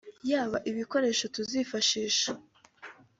yaba ibikoresho tuzifashisha